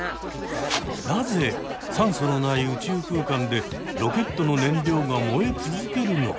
なぜ酸素のない宇宙空間でロケットの燃料が燃え続けるのか？